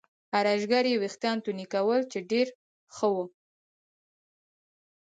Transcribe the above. ارایشګرې یې وریښتان تورنۍ کول چې ډېر ښه و.